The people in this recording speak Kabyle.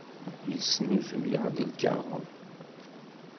Yesnuzuy-aɣ-d lkaɣeḍ.